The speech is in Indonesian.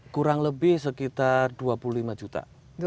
kurang lebih sekitar dua puluh lima juta